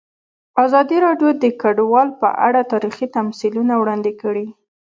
ازادي راډیو د کډوال په اړه تاریخي تمثیلونه وړاندې کړي.